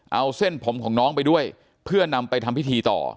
เอาเส้นผมของน้องไปด้วยเพื่อนำไปทำพิธีต่อ